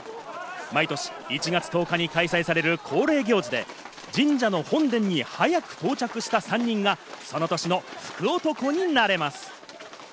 毎年１月１０日に開催される恒例行事で、神社の本殿に早く到着した３人がその年の福男になれます。